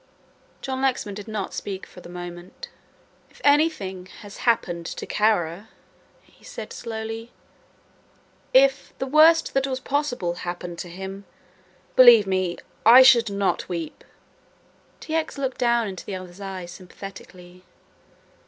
John Lexman did not speak for the moment. "If anything happened to Kara," he said slowly, "if the worst that was possible happened to him, believe me I should not weep." T. X. looked down into the other's eyes sympathetically.